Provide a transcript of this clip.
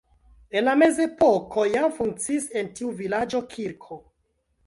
En la mezepoko jam funkciis en tiu vilaĝo kirko.